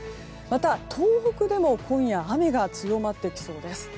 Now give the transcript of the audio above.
また、東北でも今夜、雨が強まってきそうです。